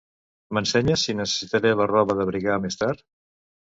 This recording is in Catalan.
M'ensenyes si necessitaré la roba d'abrigar més tard?